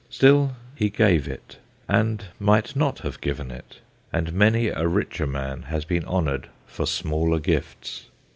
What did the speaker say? Still, he gave it, and might not have given it, and many a richer man has been honoured for smaller gifts.